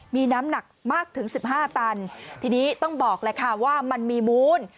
มีน้ำหนักมากถึงสิบห้าตันทีนี้ต้องบอกแหละค่ะว่ามันมีมูล